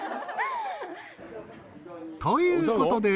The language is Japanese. ［ということで］